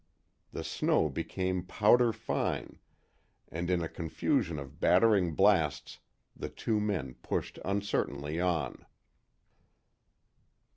The snow became powder fine and, in a confusion of battering blasts, the two men pushed uncertainly on.